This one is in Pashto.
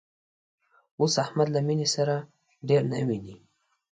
اوس احمد له مینې سره ډېر نه ویني